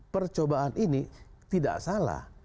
percobaan ini tidak salah